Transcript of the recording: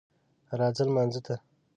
راځه لمانځه ته